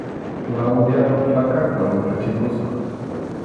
Claudiaqa phakanta ruphachikusqa.